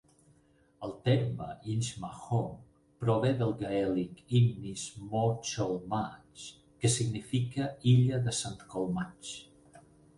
El terme "Inchmahome" prové del gaèlic "Innis MoCholmaig", que significa Illa de Saint Colmaig.